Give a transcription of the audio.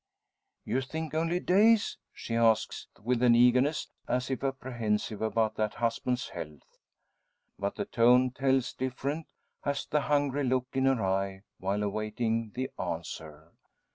"You think only days?" she asks, with an eagerness as if apprehensive about that husband's health. But the tone tells different, as the hungry look in her eye while awaiting the answer.